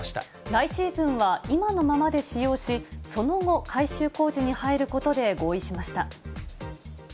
来シーズンは今のままで使用し、その後、改修工事に入ることで合意しました。